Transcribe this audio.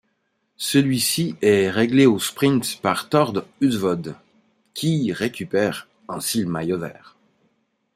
Celui-ci est réglé au sprint par Thor Hushovd, qui récupère ainsi le maillot vert.